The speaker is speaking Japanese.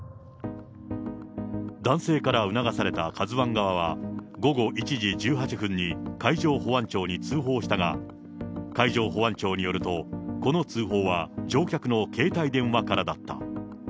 男性から促されたカズワン側は、午後１時１８分に海上保安庁に通報したが、海上保安庁によると、この通報は乗客の携帯電話からだった。